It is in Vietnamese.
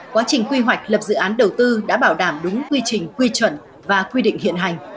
quá trình quy hoạch lập dự án đầu tư đã bảo đảm đúng quy trình quy chuẩn và quy định hiện hành